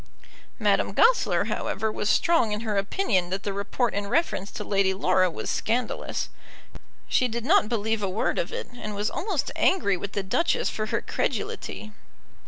Madame Goesler, however, was strong in her opinion that the report in reference to Lady Laura was scandalous. She did not believe a word of it, and was almost angry with the Duchess for her credulity.